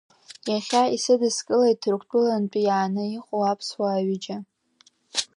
Иахьа исыдыскылеит Ҭырқәтәылантәи иааны иҟоу аԥсуаа ҩыџьа.